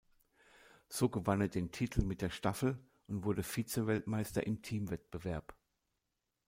So gewann er den Titel mit der Staffel und wurde Vizemeister im Teamwettbewerb.